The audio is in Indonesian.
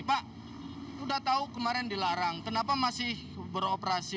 pak sudah tahu kemarin dilarang kenapa masih beroperasi